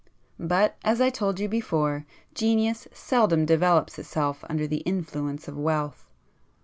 But, as I told you before, genius seldom develops itself under the influence of wealth.